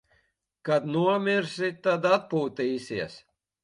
Kad nomirsi, tad atpūtīsies.